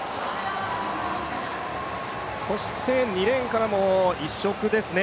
そして２レーンからも異色ですね。